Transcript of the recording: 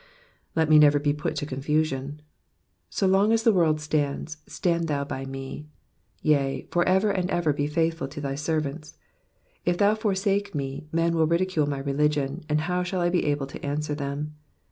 Z>t me never be put to confusion.''^ So long as the world stands, stand tXou by me ; yea, for ever and ever be faithful to thy servant. If thou forsake me, men will ridicule my religion, and how shall 1 be able to answer them